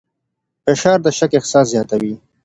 فشار د شک احساس زیاتوي.